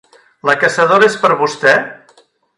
La caçadora és per a vostè?